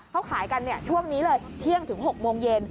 เขาขายกันช่วงนี้เลยเที่ยงถึง๖โมงเย็น